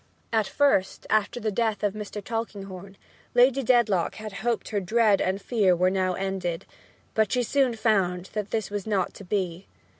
At first, after the death of Mr. Tulkinghorn, Lady Dedlock had hoped that her dread and fear were now ended, but she soon found that this was not to be.